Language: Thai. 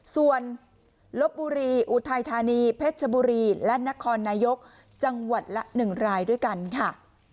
ส่วนลบบุรีอุทัยธานีเพชรชบุรีและนครนายกจังหวัดละ๑รายด้วยกันค่ะ